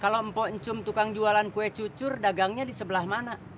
kalau mpok cum tukang jualan kue cucur dagangnya di sebelah mana